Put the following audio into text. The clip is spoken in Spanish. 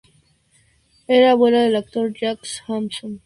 Era abuela del actor Jack Johnson.